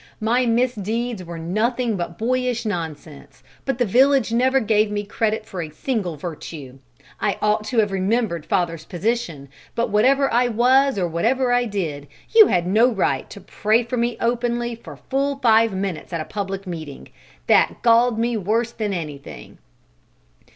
"My misdeeds were nothing but boyish nonsense, but the village never gave me credit for a single virtue. I ought to have remembered father's position, but whatever I was or whatever I did, you had no right to pray for me openly for full five minutes at a public meeting. That galled me worse than anything!"